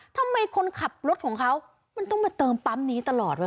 ทำไมคนขับรถของเขามันต้องมาเติมปั๊มนี้ตลอดวะ